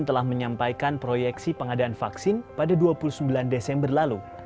telah menyampaikan proyeksi pengadaan vaksin pada dua puluh sembilan desember lalu